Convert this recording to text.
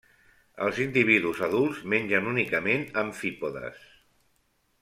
Els individus adults mengen únicament amfípodes.